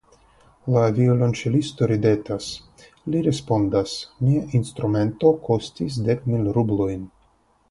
La violonĉelisto ridetas; li respondas: Mia instrumento kostis dek mil rublojn.